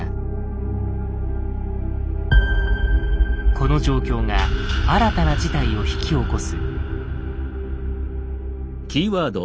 この状況が新たな事態を引き起こす。